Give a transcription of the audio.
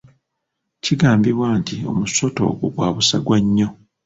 Kigambibwa nti omusota ogwo gwa busagwa nnyo.